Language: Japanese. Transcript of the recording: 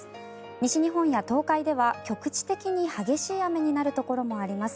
西日本や東海では局地的に激しい雨になるところもあります。